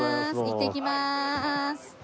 いってきます。